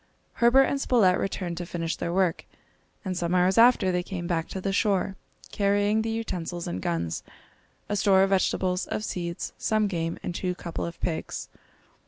Herbert and Spilett returned to finish their work; and some hours after they came back to the shore, carrying the utensils and guns, a store of vegetables, of seeds, some game, and two couple of pigs.